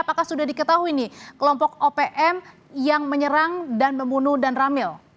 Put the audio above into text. apakah sudah diketahui nih kelompok opm yang menyerang dan membunuh dan ramil